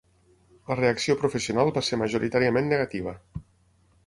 La reacció professional va ser majoritàriament negativa.